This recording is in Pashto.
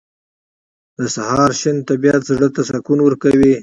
• د سهار شین طبیعت زړه ته سکون ورکوي.